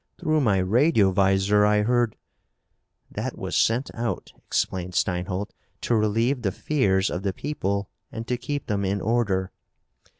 "Through my radiovisor I heard " "That was sent out," explained Steinholt, "to relieve the fears of the people and to keep them in order."